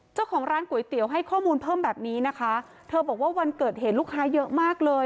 เจ้าของร้านก๋วยเตี๋ยวให้ข้อมูลเพิ่มแบบนี้นะคะเธอบอกว่าวันเกิดเหตุลูกค้าเยอะมากเลย